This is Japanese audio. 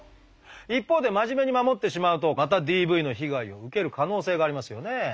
一方で真面目に守ってしまうとまたＤＶの被害を受ける可能性がありますよね。